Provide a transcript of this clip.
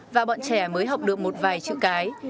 và bọn trẻ mới học được một vài chữ cái